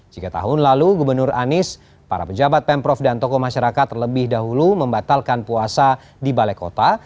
jika tahun lalu gubernur anies para pejabat pemprov dan tokoh masyarakat terlebih dahulu membatalkan puasa di balai kota